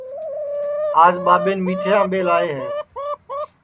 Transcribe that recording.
آج ٻاٻین میٹھے امٻے لاے ہے